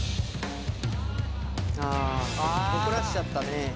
ああ怒らしちゃったね。